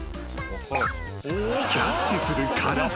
［キャッチするカラス］